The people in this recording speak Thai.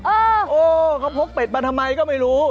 โอ้เขาพกเป็ดมาทำไมก็ไม่รู้